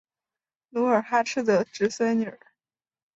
努尔哈赤的侄孙女。